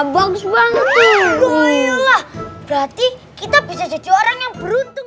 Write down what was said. bagus banget berarti kita bisa jadi orang yang beruntung